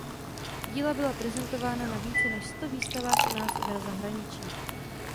Díla byla prezentována na více než sto výstavách u nás i v zahraničí.